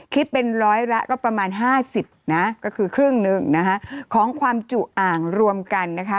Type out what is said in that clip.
คิดเป็นร้อยละประมาณ๕๐ก็คือครึ่งหนึ่งของความจุอ่างรวมกัน